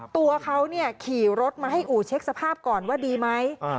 ตัวเขาขี่รถมาให้อู่เช็คสภาพก่อนว่าดีไหม